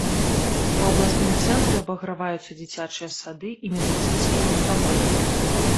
У абласным цэнтры абаграваюцца дзіцячыя сады і медыцынскія ўстановы.